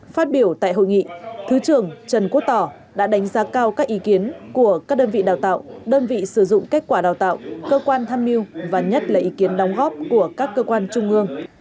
phát biểu tại hội nghị thứ trưởng trần quốc tỏ đã đánh giá cao các ý kiến của các đơn vị đào tạo đơn vị sử dụng kết quả đào tạo cơ quan tham mưu và nhất là ý kiến đóng góp của các cơ quan trung ương